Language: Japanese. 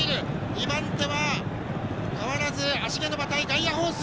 ２番手は変わらず芦毛の馬体ガイアフォース。